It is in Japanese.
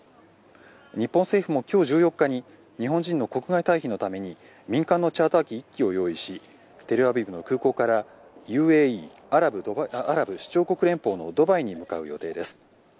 日本政府も今日１４日に日本人の国外退避のために民間のチャーター機１機を用意しテルアビブの空港からＵＡＥ・アラブ首長国連邦のドバイに向かう予定です。